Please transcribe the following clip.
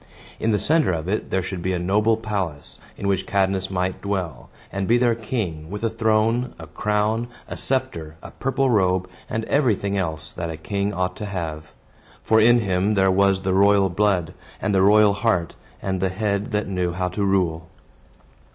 In the center of it there should be a noble palace, in which Cadmus might dwell, and be their king, with a throne, a crown, a sceptre, a purple robe, and everything else that a king ought to have; for in him there was the royal blood, and the royal heart, and the head that knew how to rule.